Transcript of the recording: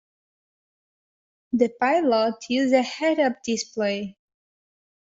The pilot used a head-up display.